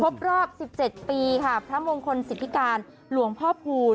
พบรอบสิบเจ็ดปีค่ะพระมงคลสิทธิการหลวงพ่อภูล